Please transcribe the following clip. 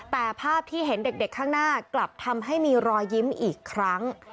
แต่ภาพที่เห็นเด็กข้างหน้ากลับทำให้มีรอยยิ้มอีกครั้ง